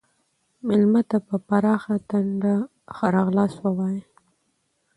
مېلمه ته په پراخه ټنډه ښه راغلاست ووایئ.